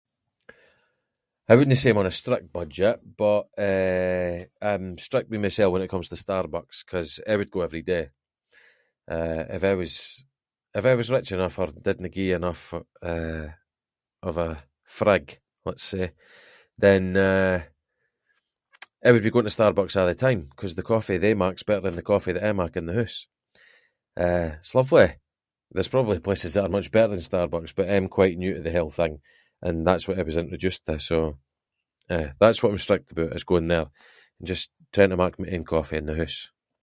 I wouldnae say I’m on a strict budget, but, eh, I’m strict with myself when it comes to Starbucks, ‘cause I would go every day, eh, if I was- if I was rich enough, or if I didnae gie enough, eh, of a frig, let’s say, then, eh, I would be going to Starbucks a’ the time, ‘cause the coffee they mak’s better than the coffee that I mak in the hoose, eh it’s lovely, there’s probably places that are much better than Starbucks, but I’m quite new to the whole thing, and that’s what I was introduced to so, eh, that’s what I’m strict about is going there, and just trying to mak my own coffee in the hoose.